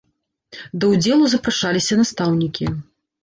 Да ўдзелу запрашаліся настаўнікі.